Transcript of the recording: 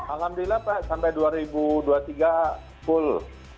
alhamdulillah pak sampai dua ribu dua puluh tiga full